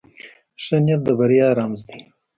ښه نیت د بریا رمز دی.